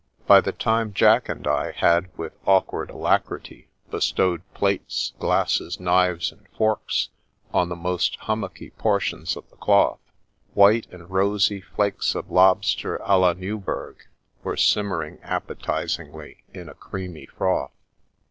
By the time Jack and I had with awkward alacrity bestowed plates, glasses, knives, and forks on the most hummocky portions of the cloth, white and rosy flakes of lob ster d la Newburg were simmering appetisingly in a creamy froth.